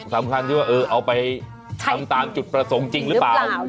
สำคัญที่ว่าเอาไปทำตามจุดประสงค์จริงหรือเปล่า